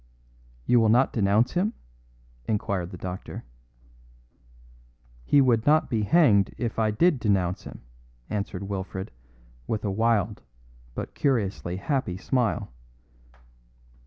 "You will not denounce him?" inquired the doctor. "He would not be hanged if I did denounce him," answered Wilfred with a wild but curiously happy smile.